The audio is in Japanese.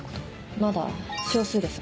まだ少数ですが。